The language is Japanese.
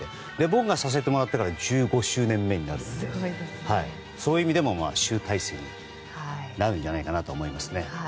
僕がさせてもらってから１５周年目になるのでそういう意味でも集大成になるんじゃないかと思います。